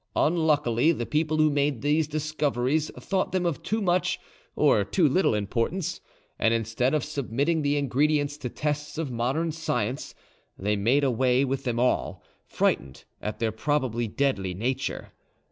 Unluckily, the people who made these discoveries thought them of too much or too little importance; and instead of submitting the ingredients to the tests of modern science, they made away with them all, frightened at their probably deadly nature.